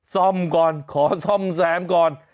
ซ่อมก่อนขอซ่อมแซมก่อน